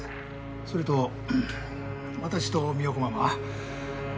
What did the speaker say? それと私と三代子ママは。